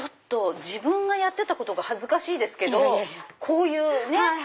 自分がやってたことが恥ずかしいけどこういうね。